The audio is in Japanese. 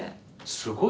すごい。